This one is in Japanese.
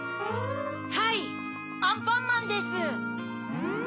はいアンパンマンです。